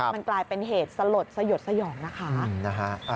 มันกลายเป็นเหตุสะหรดสะหยดสะหย่อมนะคะ